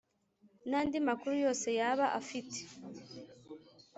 n andi makuru yose yaba afite